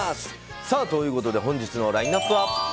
ということで本日のラインアップは？